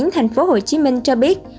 thành phố hồ chí minh cho biết